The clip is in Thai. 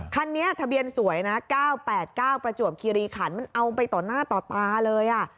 คันนี้ทะเบียนสวยนะ๙๘๙ประจวบคิริขันมันเอาไปต่อหน้าต่อตาเลย